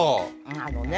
あのね